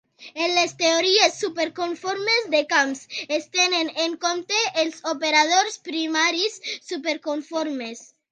En les teories superconformes de camps, es tenen en compte els operadors primaris superconformes.